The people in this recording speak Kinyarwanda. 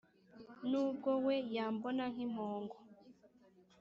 Nubwo we yambona nkimpongo